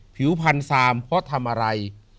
ผิวพันซามเพราะทำอะไร